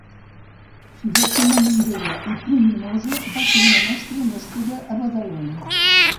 Joaquima Minguella i Pruñonosa va ser una mestra nascuda a Badalona.